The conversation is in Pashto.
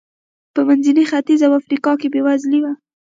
په منځني ختیځ او افریقا کې بېوزلي و.